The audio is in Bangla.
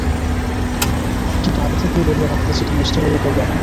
কিন্তু আগে হইতে বলিয়া রাখিতেছি, তুমি অস্থির হইয়া পড়িয়ো না।